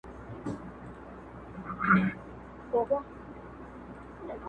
د کمزورو کنډوالې دي چي نړېږي--!